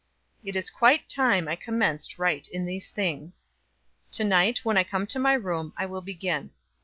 It is quite time I commenced right in these things. To night, when I come to my room, I will begin.